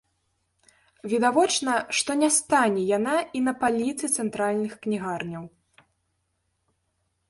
Відавочна, што не стане яна і на паліцы цэнтральных кнігарняў.